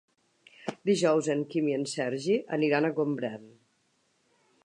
Dijous en Quim i en Sergi aniran a Gombrèn.